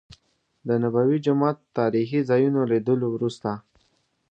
د نبوي جومات تاريخي ځا يونو لیدلو وروسته.